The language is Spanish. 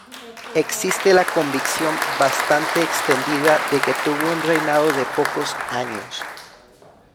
Existe la convicción, bastante extendida, de que tuvo un reinado de pocos años.